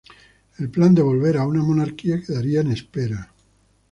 El plan de volver a una monarquía quedaría en espera.